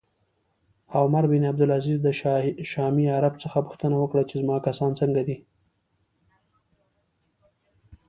عمر بن عبدالعزیز د شامي عرب څخه پوښتنه وکړه چې زما کسان څنګه دي